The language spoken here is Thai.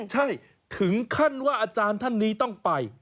ใช่ถึงขั้นว่าอาจารย์ท่านนี้ต้องไป